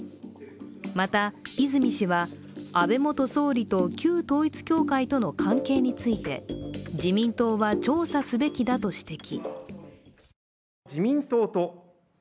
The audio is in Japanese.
また泉氏は、安倍元総理と旧統一教会との関係について自民党は調査すべきだと指摘。